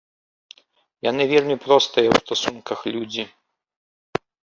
Яны вельмі простыя ў стасунках людзі.